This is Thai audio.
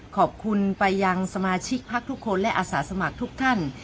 ขอบคุณไปยังสมาชิกพักทุกคนและอาสาสมัครทุกท่าน